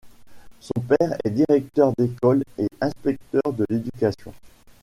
Son père est directeur d'école et inspecteur de l'éducation.